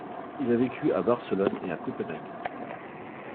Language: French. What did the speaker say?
Il a vécu à Barcelone et à Copenhague.